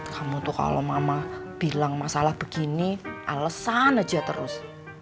kamu tuh kalau mama bilang masalah begini alesan aja terus